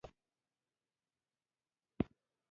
د عیش او نوش د لګښتونو لپاره یې اسلام کاروبار وسیله کړې.